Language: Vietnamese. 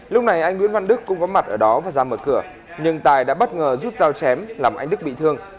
lúc này anh nguyễn văn đức cũng có mặt ở đó và ra mở cửa nhưng tài đã bất ngờ rút dao chém làm anh đức bị thương